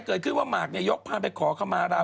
เกิดขึ้นว่ามาร์คยกพาไปขอข้ามา